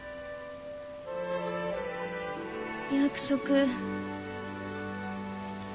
約束。